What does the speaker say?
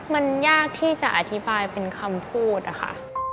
มันยากที่จะอธิบายเป็นคำพูดอะค่ะ